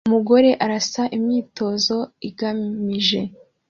Umugore arasa imyitozo igamije